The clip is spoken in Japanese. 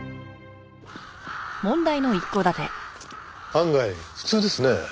案外普通ですね。